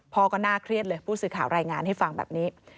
พ่อก็น่าเครียดเลยผู้สื่อข่าวรายงานให้ฟังแบบนี้